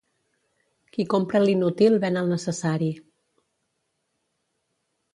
Qui compra l'inútil, ven el necessari.